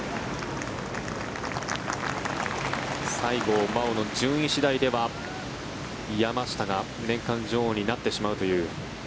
西郷真央の順位次第では山下が年間女王になってしまうという。